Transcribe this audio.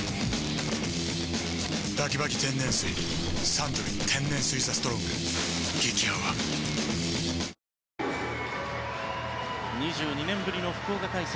サントリー天然水「ＴＨＥＳＴＲＯＮＧ」激泡２２年ぶりの福岡開催